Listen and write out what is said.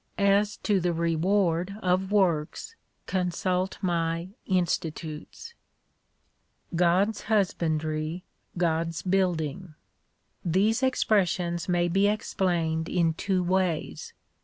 As to the reward of works, consult my Institutes} God's husbandry, God's building. These expressions may be explained in two ways.